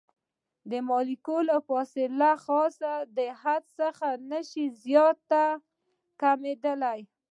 د مالیکول فاصله له خاص حد څخه نشي زیاته کمه کیدلی.